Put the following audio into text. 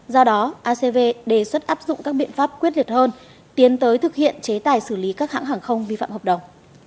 do đó acv đề xuất áp dụng các biện pháp quyết liệt hơn